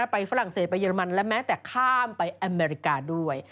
ฝรั่งเศสไปเรมันและแม้แต่ข้ามไปอเมริกาด้วย